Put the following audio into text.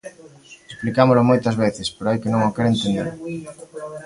Explicámolo moitas veces, pero hai quen non o quere entender.